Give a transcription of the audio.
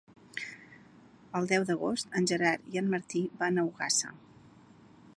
El deu d'agost en Gerard i en Martí van a Ogassa.